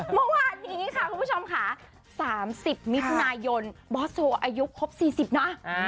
เมื่อวานนี้ค่ะคุณผู้ชมค่ะสามสิบมิถุนายนบอสโจอายุครบสี่สิบนะ